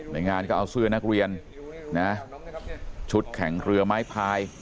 ในงานก็เอาเสื้อนักเรียนนะชุดแข่งเรือไม้พาย